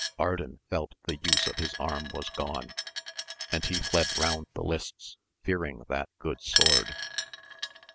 Ardan felt the use of his arm was gone, and he fled round the lists, fearing that good sword.